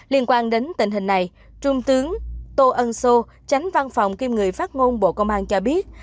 liên quan đến tình hình này trung tướng tô ân sô tránh văn phòng kiêm người phát ngôn bộ công an cho biết